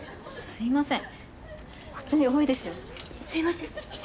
すみません。